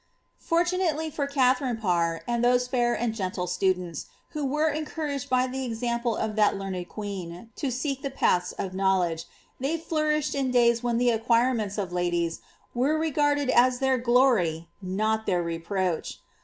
Fortunately for Katharine Parr, and those fair and gentle students, who were encouiaged by the example of that learned queen to seek the paths of knowledge, they flourished in days when the acquirements of ladies were regarded as their glory, not their reproach.